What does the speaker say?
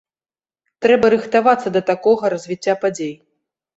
Трэба рыхтавацца да такога развіцця падзей.